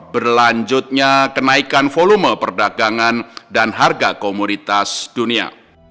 berlanjutnya kenaikan volume perdagangan dan harga komoditas dunia